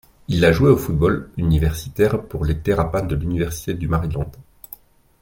Il a joué au football universitaire pour les Terrapins de l'Université du Maryland.